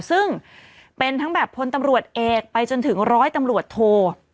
ซึ่งเป็นทั้งแบบพลตำรวจเอกไปจนถึงร้อยตำรวจโท